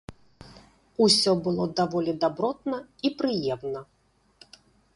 Усё было даволі дабротна і прыемна.